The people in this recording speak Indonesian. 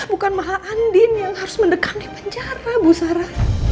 bukan maha andin yang harus mendekat di penjara bu sara